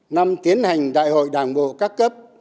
năm tiến hành đại hội đảng bộ các cấp